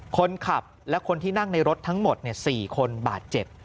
คนขับและคนที่นั่งในรถทั้งหมด๔คนบาดเจ็บ